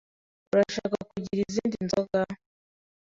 Urashaka kugira izindi nzoga?